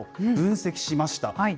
分析しました。